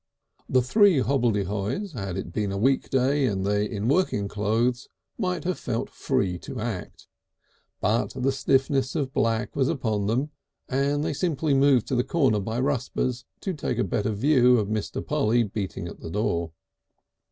The three hobbledehoys, had it been a weekday and they in working clothes, might have felt free to act, but the stiffness of black was upon them and they simply moved to the corner by Rusper's to take a better view of Mr. Polly beating at the door.